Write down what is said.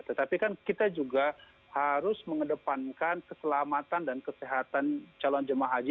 tetapi kan kita juga harus mengedepankan keselamatan dan kesehatan calon jemaah haji